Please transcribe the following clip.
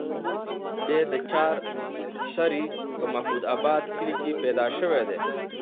دے د چارسرې پۀ محمود اباد کلي کښې پېدا شوے دے